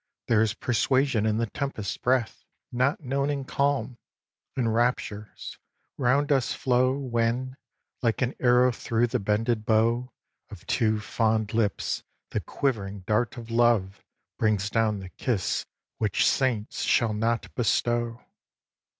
There is persuasion in the tempest's breath Not known in calm; and raptures round us flow When, like an arrow through the bended bow Of two fond lips, the quivering dart of love Brings down the kiss which saints shall not bestow.